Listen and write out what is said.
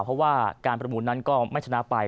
เพราะว่าการประมูลนั้นก็ไม่ชนะไป